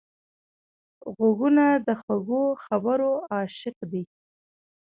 غوږونه د خوږو خبرو عاشق دي